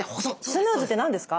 スヌーズって何ですか？